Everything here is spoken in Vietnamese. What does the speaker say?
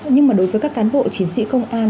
nhưng mà đối với các cán bộ chiến sĩ công an